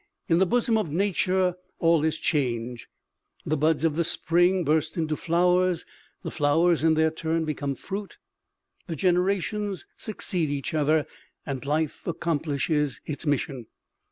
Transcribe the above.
In the bosom of nature all is change. The buds of the spring burst into flowers, the flowers in their turn become fruit, the generations succeed each other, and life accomplishes its mission.